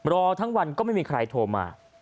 รอทั้งวันก็ไม่มีใครโทรมา